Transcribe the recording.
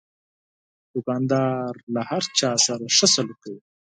دوکاندار له هر چا سره ښه سلوک کوي.